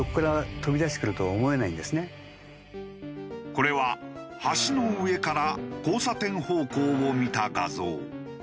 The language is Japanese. これは橋の上から交差点方向を見た画像。